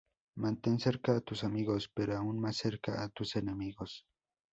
Mantén cerca a tus amigos, pero aún más cerca a tus enemigos